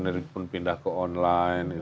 dari pun pindah ke online